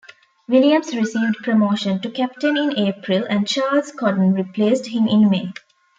Williams received promotion to captain in April, and Charles Cotton replaced him in May.